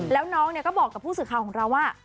แล้วน้องก็บอกกับผู้สื่อข่าวของเราว่า